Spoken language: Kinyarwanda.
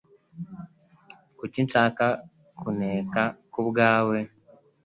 Kuki nshaka kuneka kubwawe?